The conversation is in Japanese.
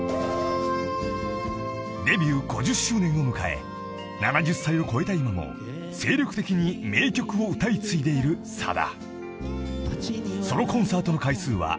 ［デビュー５０周年を迎え７０歳を超えた今も精力的に名曲を歌い継いでいるさだ］